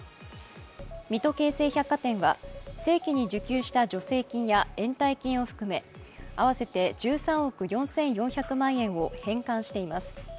水戸京成百貨店は正規に受給した助成金や延滞金を含め合わせて１３億４４００万円を返還しています。